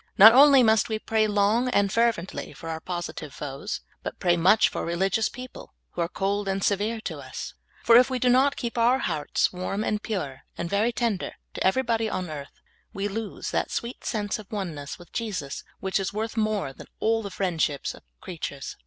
Not only must we praj long and fer\'ently for our positive foes, but pray much for religious people who are cold and severe to us ; for if we do not keep our hearts warm and pure, and very tender to everybody on earth, we lose that sweet sense of oneness with MARVELOUS ANSWER TO PRAYER. II7 Jesus which is worth more than all the friendships of creatures.